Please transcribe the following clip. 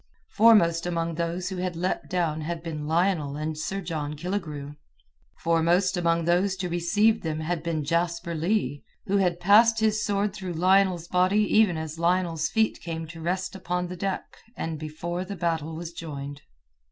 Foremost among those who had leapt down had been Lionel and Sir John Killigrew. Foremost among those to receive them had been Jasper Leigh, who had passed his sword through Lionel's body even as Lionel's feet came to rest upon the deck, and before the battle was joined.